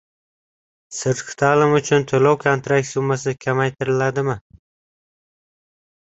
Sirtqi ta’lim uchun to‘lov-kontrakt summasi kamaytiriladimi?